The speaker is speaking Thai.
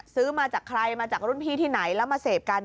ซื้อมาจากใครมาจากรุ่นพี่ที่ไหนแล้วมาเสพกัน